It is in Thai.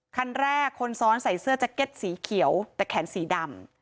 คันแรกคนซ้อนใส่เสื้อแจ็คเก็ตสีเขียวแต่แขนสีดำ